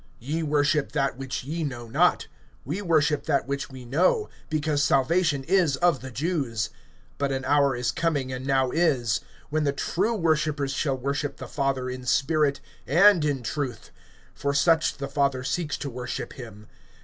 (22)Ye worship that which ye know not; we worship that which we know; because salvation is of the Jews. (23)But an hour is coming, and now is, when the true worshipers shall worship the Father in spirit and in truth; for such the Father seeks to worship him.